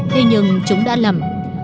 thế nhưng chúng đã lầm